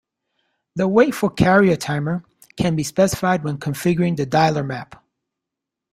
The wait-for-carrier timer can be specified when configuring the dialer map.